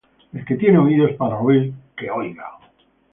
El que tiene oídos para oir, oiga.